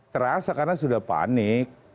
terasa karena sudah panik